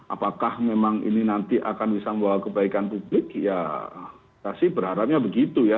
apakah memang ini nanti akan bisa membawa kebaikan publik ya pasti berharapnya begitu ya